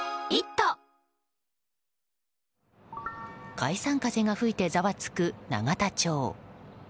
解散風が吹いてざわつく永田町。